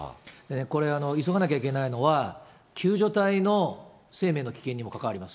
これ急がなきゃいけないのは、救助隊の生命の危険にも関わります。